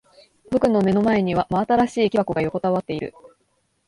僕の目の前には真新しい木箱が横たわっている。